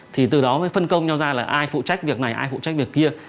thì từ đó mới phân công nhau ra là ai phụ trách việc này ai phụ trách việc kia